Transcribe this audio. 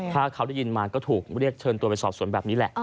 ถ้าเขาได้ยินมาก็ถูกเรียกเชิญตัวไปสอบสวนแบบนี้แหละ